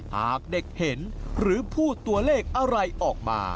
หากเด็กเห็นหรือพูดตัวเลขอะไรออกมา